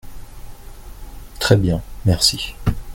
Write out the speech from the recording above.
Très bien, merci.